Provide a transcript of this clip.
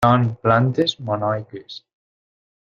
Són plantes monoiques.